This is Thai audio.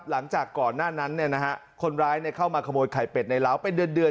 หลังจากก่อนหน้านั้นคนร้ายเข้ามาขโมยไข่เป็ดในล้าวเป็นเดือน